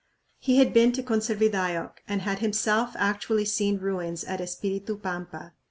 He had been to Conservidayoc and had himself actually seen ruins at Espiritu Pampa.